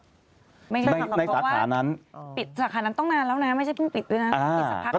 ปิดเพราะเคสนี้เหรอไม่ใช่ความคิดว่าว่าปิดสถานนั้นต้องนานแล้วนะไม่ใช่เพิ่งปิดเลยนะปิดสักพักแล้วนะ